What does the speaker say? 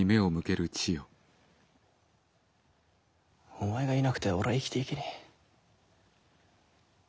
お前がいなくては俺は生きていけねぇ。